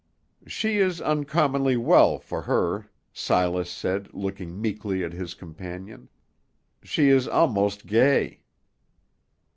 "She is uncommonly well, for her," Silas said, looking meekly at his companion. "She is almost gay."